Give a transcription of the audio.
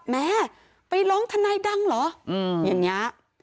แม่ไปร้องทนายดังเหรออย่างนี้